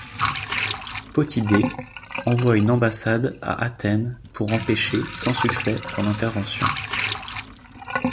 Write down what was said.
Potidée envoie une ambassade à Athènes pour empêcher, sans succès, son intervention.